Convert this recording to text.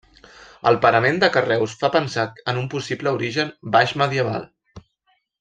El parament de carreus fa pensar en un possible origen baix medieval.